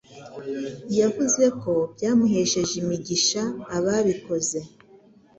yavuze ko byamuhesheje imigisha ababikoze